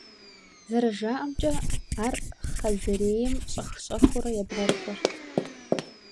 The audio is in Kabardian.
Зэрыжаӏэмкӏэ, ар Хъэзэрейм щӏэх-щӏэхыурэ ебгъэрыкӏуэрт.